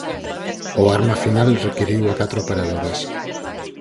O arma final requiriu a catro operadores.